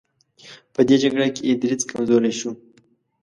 په دې جګړه کې یې دریځ کمزوری شو.